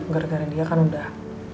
gara gara dia kan udah